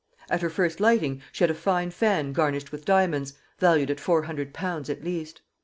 At her first lighting she had a fine fan garnished with diamonds, valued at four hundred pounds at least.